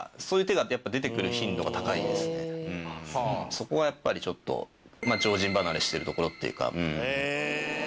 そこが、やっぱり、ちょっと常人離れしてるところっていうか。